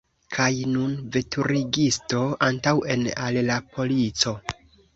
Kaj nun, veturigisto, antaŭen, al la polico!